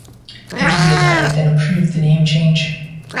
Peggy Wilhide then approved the name change.